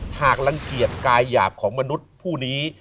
หากรังเกียจกายหยาบของมนุษย์ผู้นี้